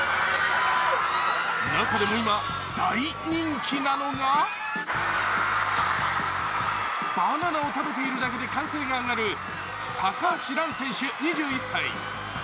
中でも今、大人気なのがバナナを食べているだけで歓声が上がる高橋藍選手２１歳。